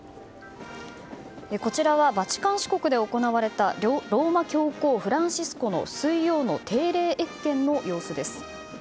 こちらはバチカン市国で行われたローマ教皇フランシスコの水曜の定例謁見の様子です。